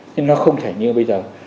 nhưng nó không thể như bây giờ